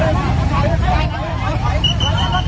อันนี้ก็มันถูกประโยชน์ก่อน